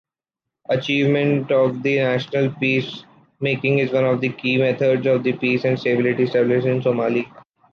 Achievement of the national peace-making is one of the key methods of peace and stability establishment in Somali.